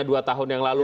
dua tahun yang lalu